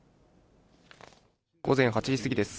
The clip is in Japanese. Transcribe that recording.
午前８時過ぎです。